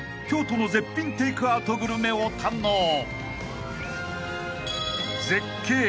京都の絶品テイクアウトグルメを堪能］